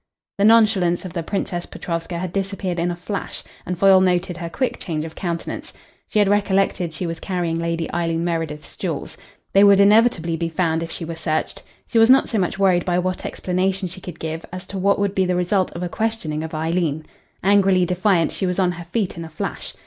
The nonchalance of the Princess Petrovska had disappeared in a flash, and Foyle noted her quick change of countenance. She had recollected she was carrying Lady Eileen Meredith's jewels. They would inevitably be found, if she were searched. She was not so much worried by what explanation she could give as to what would be the result of a questioning of Eileen. Angrily defiant, she was on her feet in a flash.